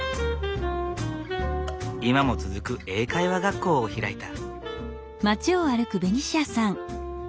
今も続く英会話学校を開いた。